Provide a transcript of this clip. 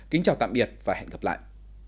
xin chào và hẹn gặp lại